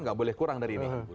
nggak boleh kurang dari ini